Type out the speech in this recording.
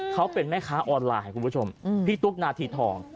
เขาเป็นแม่ค้าออนไลน์คุณผู้ชมพี่ตุ๊กนาทีทอง